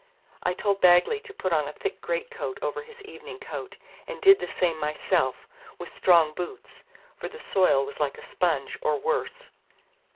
I told Bagley to put on a thick greatcoat over his evening coat, and did the same myself, with strong boots; for the soil was like a sponge, or worse.